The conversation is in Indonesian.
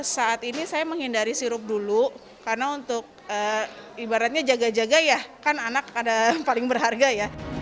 saat ini saya menghindari sirup dulu karena untuk ibaratnya jaga jaga ya kan anak ada yang paling berharga ya